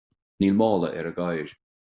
Níl mála ar an gcathaoir